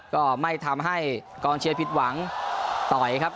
ก็ไม่ทำให้กองเชียร์ผิดหวังต่อยครับ